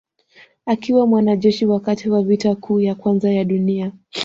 Akiwa mwanajeshi wakati wa vita kuu ya kwanza ya dunia